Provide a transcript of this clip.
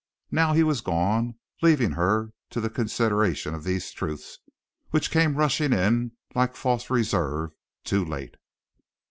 Now he was gone, leaving her to the consideration of these truths, which came rushing in like false reserves, too late.